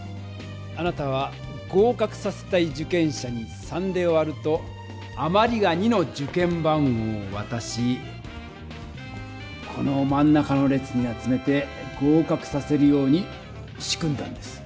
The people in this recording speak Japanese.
あなたは合かくさせたい受験者に３で割るとあまりが２の受験番号をわたしこのまん中の列に集めて合かくさせるように仕組んだんです。